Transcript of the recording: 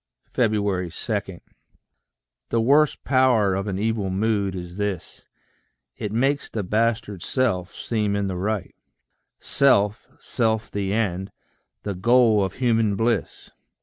2. The worst power of an evil mood is this It makes the bastard self seem in the right, Self, self the end, the goal of human bliss.